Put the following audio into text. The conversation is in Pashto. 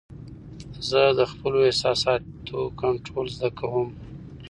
زه د خپلو احساساتو کنټرول زده کوم.